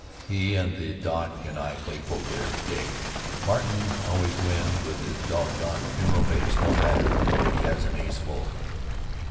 He and the doc and I play poker every day, Martin always wins with his dog gone funeral face no matter tho he has an ace full.